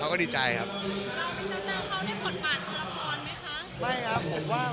แล้วมีแซวเขาได้ผลปากต่อละครไหมคะ